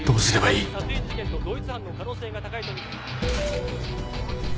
無差別殺人事件と同一犯の可能性が高いとみて。